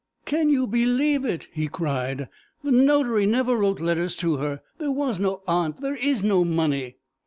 'Can you believe it!' he cried, 'the notary never wrote letters to her; there was no aunt; there is no money!'